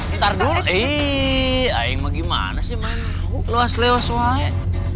diantar dulu ii ae gimana sih main luas lewat soalnya